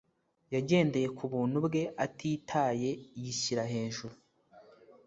Yagendeye ku buntu bwe atitaye yishyira hejuru